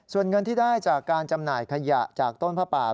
ส่วนเงินที่ได้จากการจำหน่ายขยะจากต้นผ้าป่า